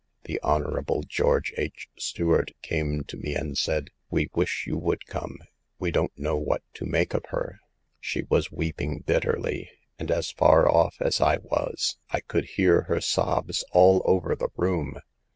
The Hon. Geo. H. Stuart came to me and said: ; We wish you would come, we don't know what to make of her.' Sheggras weeping bitterly, and as far off as I was, xrcould hear her sobs all over the room.